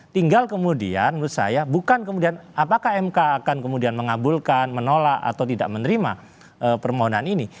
tinggal kemudian menurut saya bukan kemudian apakah mk akan kemudian mengabulkan menolak atau tidak menerima permohonan ini